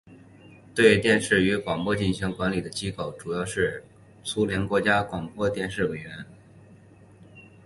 对电视与广播进行管理的机构主要是苏联国家广播电视委员会。